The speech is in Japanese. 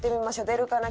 出るかな？